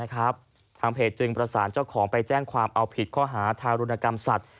ทางเพจจึงประสานเจ้าของไปแจ้งความเอาผิดข้อหาทารุณกรรมสัตว